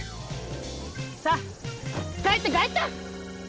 さあ帰った帰った！